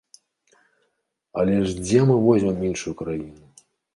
Але ж дзе мы возьмем іншую краіну?